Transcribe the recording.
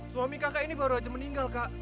suami kakak ini baru aja meninggal kak